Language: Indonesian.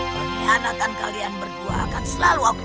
kelihatan kalian berdua akan selalu